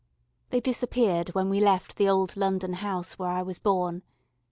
They disappeared when we left the old London house where I was born.